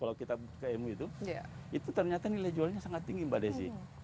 kalau kita buka emu itu itu ternyata nilai jualnya sangat tinggi mbak desy